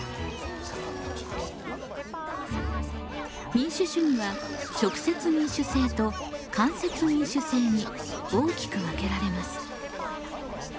民主主義は直接民主制と間接民主制に大きく分けられます。